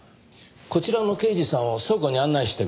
こちらの刑事さんを倉庫に案内してくれ。